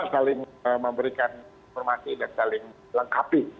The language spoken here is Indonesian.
saling memberikan informasi dan saling lengkapi